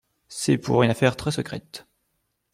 C'est pour une affaire très secrète.